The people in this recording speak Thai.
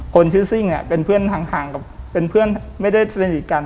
คนชื่อซิ่งเป็นเพื่อนห่างกับเป็นเพื่อนไม่ได้สนิทกัน